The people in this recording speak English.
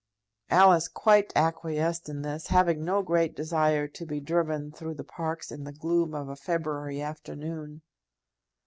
Alice quite acquiesced in this, having no great desire to be driven through the parks in the gloom of a February afternoon.